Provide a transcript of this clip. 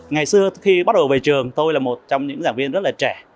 ngày xưa khi bắt đầu về trường tôi là một trong những giảng viên rất là trẻ